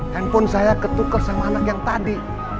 handphone saya ketukar sama anak yang tadi